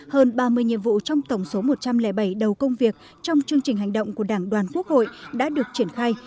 hơn ba mươi nhiệm vụ trong tổng số một trăm linh bảy đầu công việc trong chương trình hành động của đảng đoàn quốc hội đã được triển khai